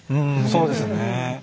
そうですね。